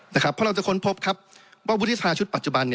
เพราะเราจะค้นพบครับว่าวุฒิสภาชุดปัจจุบัน